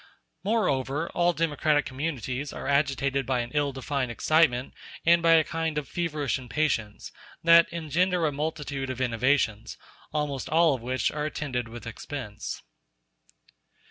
Moreover, all democratic communities are agitated by an ill defined excitement and by a kind of feverish impatience, that engender a multitude of innovations, almost all of which are attended with expense.